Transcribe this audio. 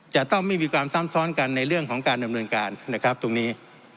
จะต้องไม่มีความซ้ำซ้อนกันในเรื่องของการดำเนินการนะครับตรงนี้